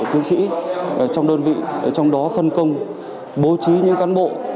từng thư sĩ trong đơn vị trong đó phân công bố trí những cán bộ